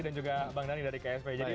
dan juga bang dhani dari ksp